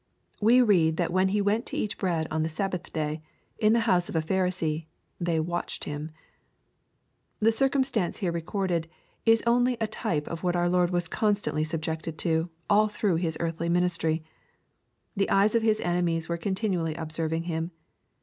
We read that when He went to eat bread on the Sabbath day, in the house of a Pharisee, " they watched Him/' The circumstance here recorded, is only a type of what our Lord was constantly subjected to, all through His earthly ministry. The eyes of His enemies were continually observing Him.